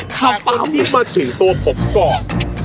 การโพรธิประถือตัวผมก่อน